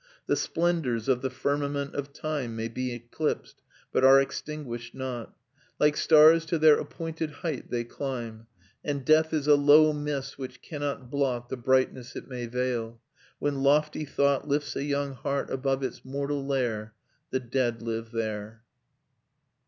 "The splendours of the firmament of time May be eclipsed, but are extinguished not: Like stars to their appointed height they climb, And death is a low mist which cannot blot The brightness it may veil. When lofty thought Lifts a young heart above its mortal lair, ... the dead live there."